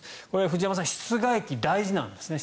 藤山さん、室外機大事なんですね。